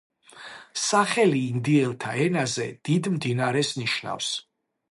სახელი ინდიელთა ენაზე „დიდ მდინარეს“ ნიშნავს.